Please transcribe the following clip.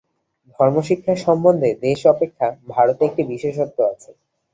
ধর্মশিক্ষা সম্বন্ধে অন্যান্য দেশ অপেক্ষা ভারতে একটি বিশেষত্ব আছে।